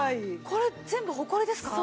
これ全部ホコリですか？